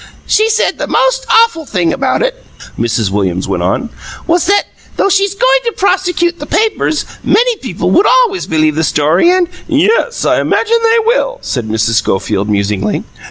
"She said that the most awful thing about it," Mrs. Williams went on, "was that, though she's going to prosecute the newspapers, many people would always believe the story, and " "Yes, I imagine they will," said Mrs. Schofield musingly.